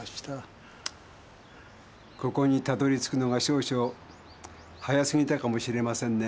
ここにたどり着くのが少々早過ぎたかもしれませんね。